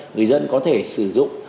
người dân có thể sử dụng